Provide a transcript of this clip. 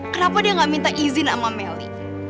kenapa dia gak minta izin sama melly